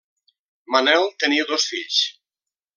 Manel tenia dos fills: